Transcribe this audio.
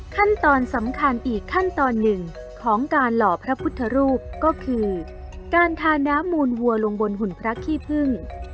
ขั้นตอนสำคัญอีกขั้นตอนหนึ่งของการหล่อพระพุทธรูปก็คือการทาน้ำมูลวัวลงบนหุ่นพระขี้พึ่ง